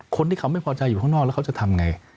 คนที่เขาไม่พอใจอยู่ข้างนอกแล้วเขาจะทำไง